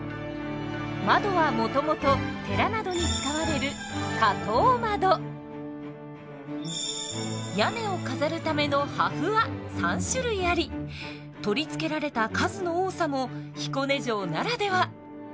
窓はもともと寺などに使われる屋根を飾るための破風は３種類あり取り付けられた数の多さも彦根城ならでは。